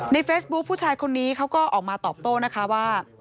เฟซบุ๊คผู้ชายคนนี้เขาก็ออกมาตอบโต้นะคะว่า